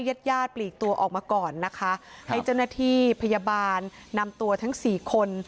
ญาติญาติปลีกตัวออกมาก่อนนะคะให้เจ้าหน้าที่พยาบาลนำตัวทั้งสี่คน